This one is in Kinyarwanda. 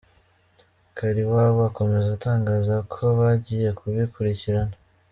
Kaliwabo akomeza atangaza ko bagiye kubikurikirana.